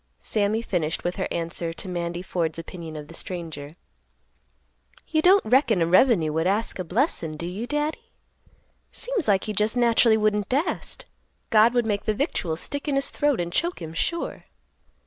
Sammy finished with her answer to Mandy Ford's opinion of the stranger; "You don't reckon a revenue would ask a blessin', do you, Daddy? Seems like he just naturally wouldn't dast; God would make the victuals stick in his throat and choke him sure."